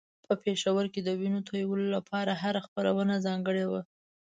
په پېښور کې د وينو تویولو لپاره هره خپرونه ځانګړې وه.